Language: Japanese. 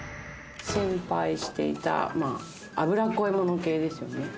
心配していた、脂っこいもの系ですよね。